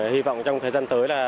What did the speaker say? hy vọng trong thời gian tới là